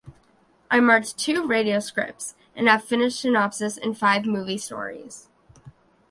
I marked two radio scripts and have finished synopses and five movie stories.